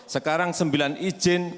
sekarang sembilan izin